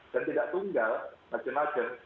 dan tidak tunggal macam macam